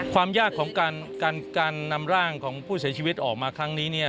ความยากของการนำร่างของผู้เสียชีวิตออกมาครั้งนี้เนี่ย